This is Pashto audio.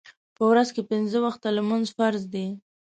په ورځ کې پنځه وخته لمونځ فرض دی.